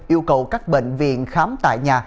yêu cầu các bệnh viện khám tại nhà